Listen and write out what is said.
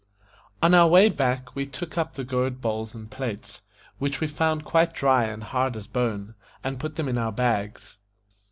ON our way back we took up the gourd bowls and plates, which we found quite dry and hard as bone, and put them in our bags.